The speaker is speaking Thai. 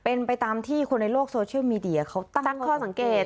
เป็นไปตามที่คนในโลกโซเชียลมีเดียเขาตั้งข้อสังเกต